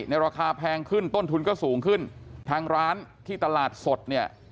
ราคาแพงขึ้นต้นทุนก็สูงขึ้นทางร้านที่ตลาดสดเนี่ย